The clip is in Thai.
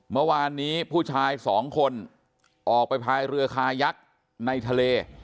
เมื่อวานนี้ผู้ชายสองคนออกไปพายเรือคายักษ์ในทะเล